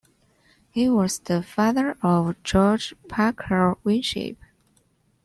He was the father of George Parker Winship.